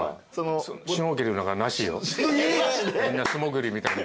みんな素潜りみたいな。